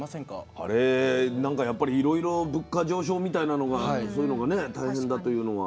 あれ何かやっぱりいろいろ物価上昇みたいなのがあってそういうのがね大変だというのは。